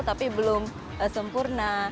tapi belum sempurna